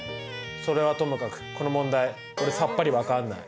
それはともかくこの問題俺さっぱり分かんない。